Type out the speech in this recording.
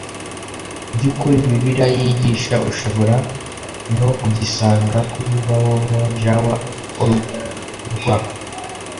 by ukuri bibiliya yigisha ushobora no kugisanga kuri www jw org rw